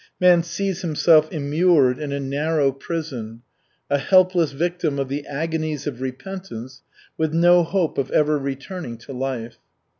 Man sees himself immured in a narrow prison, a helpless victim of the agonies of repentance, with no hope of ever returning to life.